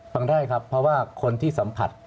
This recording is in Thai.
ฟังได้ครับเพราะว่าคนที่สัมผัส